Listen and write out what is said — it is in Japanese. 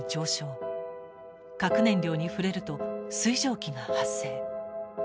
核燃料に触れると水蒸気が発生。